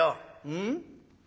うん？